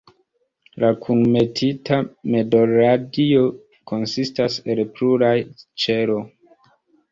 La "kunmetita medolradio"konsistas el pluraj ĉelo.